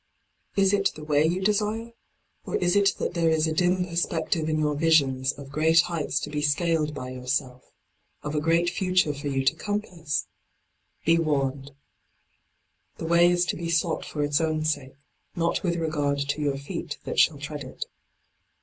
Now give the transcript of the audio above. Is it the way you desire, or is d by Google 24 LIGHT ON THE PATH it that there is a dim perspective in your visions of great heights to be scaled by your self, of a great future for you to compass ? Be warned. The way is to be sought for its own sake, not with regard to your feet that shall tread it.